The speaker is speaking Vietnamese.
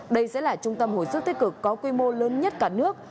đây sẽ là trung tâm hồi sức tích cực có quy mô lớn nhất cả nước